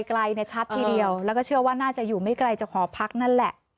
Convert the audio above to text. ไกลเนี่ยชัดทีเดียวแล้วก็เชื่อว่าน่าจะอยู่ไม่ไกลจากหอพักนั่นแหละ